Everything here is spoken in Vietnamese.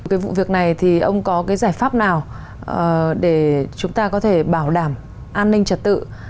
cái vụ việc này thì ông có cái giải pháp nào để chúng ta có thể bảo đảm an ninh trật tự